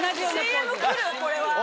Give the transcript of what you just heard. ＣＭ来るこれは。